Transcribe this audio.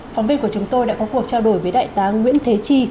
phóng viên của chúng tôi đã có cuộc trao đổi với đại tá nguyễn thế chi